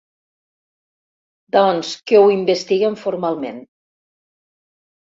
Doncs que ho investiguem formalment.